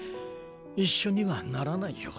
一緒にはならないよ。